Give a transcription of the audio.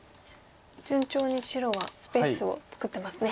順調に白はスペースを作ってますね。